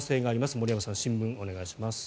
森山さん、新聞、お願いします。